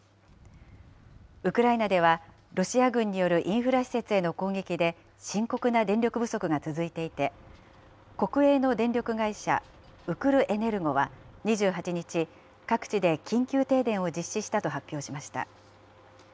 ウクライナではロシア軍によるインフラ施設への攻撃で、深刻な電力不足が続いていて、国営の電力会社、ウクルエネルゴは２８日、各地で緊急停電を実施したと発表しました。